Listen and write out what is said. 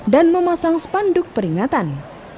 dan memasang spanduk peringatan